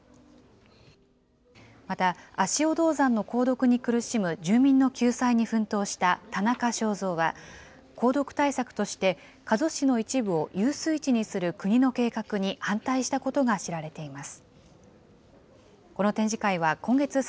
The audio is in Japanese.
また、足尾銅山の鉱毒に苦しむ住民の救済に奮闘した田中正造は、鉱毒対策として加須市の一部を遊水地にする国の計画に反対したことが知られています。